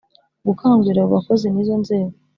Gukangurira abo bakozi n izo nzego